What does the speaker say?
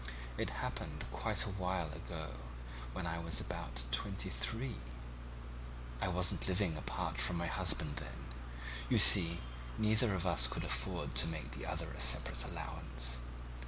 "It happened quite a while ago, when I was about twenty three. I wasn't living apart from my husband then; you see, neither of us could afford to make the other a separate allowance.